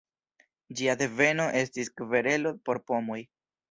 Ĝia deveno estis kverelo por pomoj.